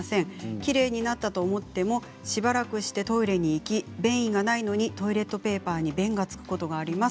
きれいになったと思ってもしばらくしてトイレに行き便意がないのにトイレットペーパーに便がつくことがあります。